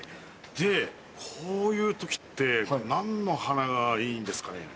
でこういう時って何の花がいいんですかね。